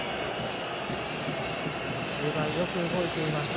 中盤、よく動いていました。